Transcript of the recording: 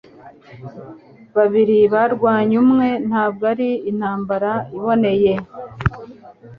Babiri kurwanya umwe ntabwo ari intambara iboneye